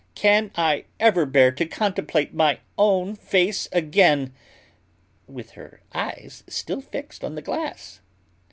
Can I ever bear to contemplate my own face again (with her eyes still fixed on the glass)?